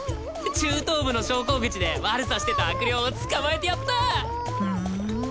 中等部の昇降口で悪さしてた悪霊を捕まえてやったふん